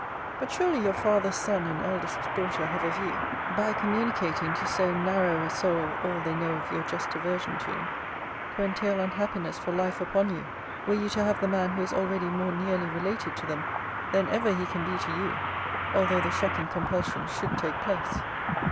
But surely your father's son and eldest daughter have a view (by communicating to so narrow a soul all they know of your just aversion to him) to entail unhappiness for life upon you, were you to have the man who is already more nearly related to them, than ever he can be to you, although the shocking compulsion should take place.